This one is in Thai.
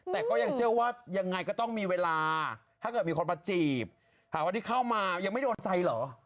แต่ก็ยังเชื่อว่ายังไงก็ต้องมีเวลาถ้าเกิดมีคนมาจีบถามว่าที่เข้ามายังไม่โดนใจเหรอ